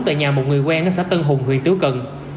tại nhà một người quen ở xã tân hùng huyện tiếu cận